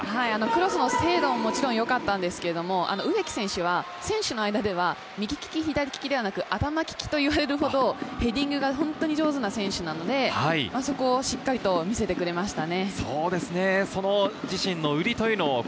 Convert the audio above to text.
クロスの精度ももちろんよかったのですが、植木選手は右利き左利きではなく、頭利きと言われるほどヘディングが上手な選手なので、そこをしっかり見せてくれました。